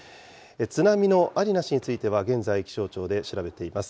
津波のありなしについては、現在、気象庁で調べています。